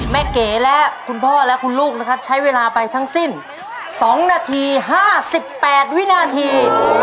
เก๋และคุณพ่อและคุณลูกนะครับใช้เวลาไปทั้งสิ้น๒นาที๕๘วินาที